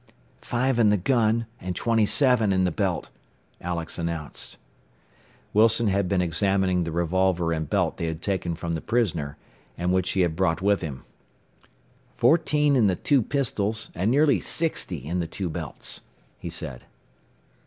"Five in the gun and twenty seven in the belt," Alex announced. Wilson had been examining the revolver and belt they had taken from the prisoner, and which he had brought with him. "Fourteen in the two pistols and nearly sixty in the two belts," he said.